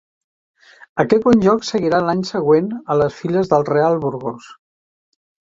Aquest bon joc seguiria l'any següent a les files del Real Burgos.